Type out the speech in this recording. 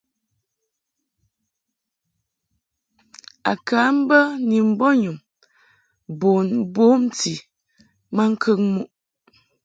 A ka mbə ni mbɔnyum bun bomti maŋkəŋ muʼ.